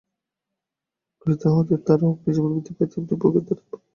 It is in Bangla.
ঘৃতাহুতির দ্বারা অগ্নি যেমন বৃদ্ধি পায়, তেমনি ভোগের দ্বারা ভোগ বাড়িয়াই চলে।